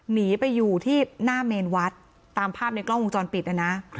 หนีไปอยู่ที่หน้าเมนวัดตามภาพในกล้องวงจรปิดนะนะ